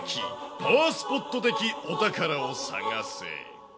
パワースポット的お宝を探せ。